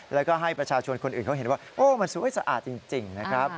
แล้วก็ให้ประชาชนคนอื่นเขาเห็นว่าโอ้มันสวยสะอาดจริงนะครับ